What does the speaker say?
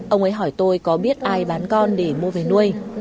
ông ấy hỏi tôi có biết ai bán con để mua về nuôi